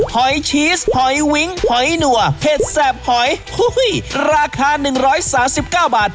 หอยชีสหอยวิ้งหอยหนัวเห็ดแสบหอยราคา๑๓๙บาท